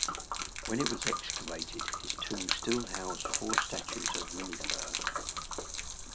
When it was excavated, his tomb still housed four statues of Minnefer.